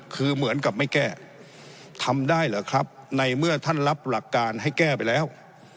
คือเหมือนกับไม่แก้ทำได้เหรอครับในเมื่อท่านรับหลักการให้แก้ไปแล้ว